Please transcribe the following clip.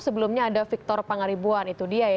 sebelumnya ada victor pangaribuan itu dia ya